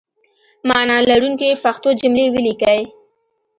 معنی لرونکي پښتو جملې ولیکئ!